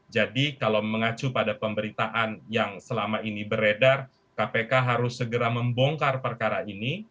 jadi kalau mengacu pada pemberitaan yang selama ini beredar kpk harus segera membongkar perkara ini